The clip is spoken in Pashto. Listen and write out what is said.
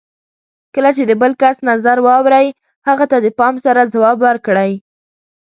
کله چې د بل کس نظر واورئ، هغه ته د پام سره ځواب ورکړئ.